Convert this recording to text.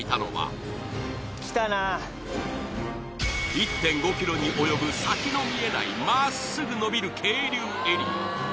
１．５ｋｍに及ぶ先の見えない真っすぐ延びる渓流エリア